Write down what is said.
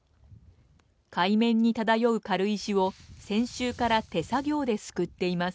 海面に漂う軽石を先週から手作業ですくっています。